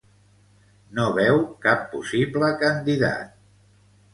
No veu cap possible candidat.